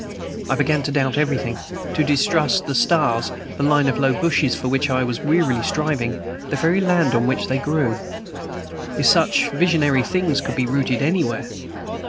I began to doubt everything, to distrust the stars, the line of low bushes for which I was wearily striving, the very land on which they grew, if such visionary things could be rooted anywhere.